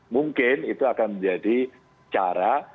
mungkin itu akan menjadi cara